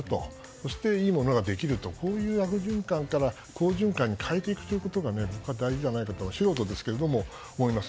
そしていいものができるという悪循環から好循環に変えていくということが僕は大事じゃないかと素人ですけど、思います。